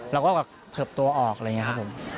แล้วก็เผิบตัวออกอะไรอย่างนี้ครับผม